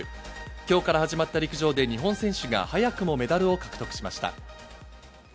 今日から始まった陸上で日本選手が早くもメダルを獲得しました。